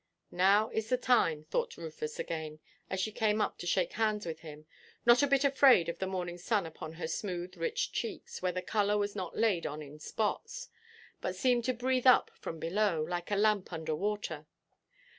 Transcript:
"Now is the time," thought Rufus again, as she came up to shake hands with him, not a bit afraid of the morning sun upon her smooth rich cheeks, where the colour was not laid on in spots, but seemed to breathe up from below, like a lamp under water.